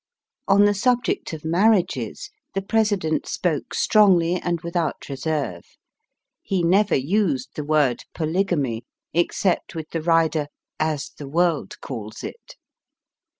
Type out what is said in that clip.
On the subject of marriages, the President spoke strongly and without reserve. He never used the word polygamy" except with the rider, ^' as the world calls it."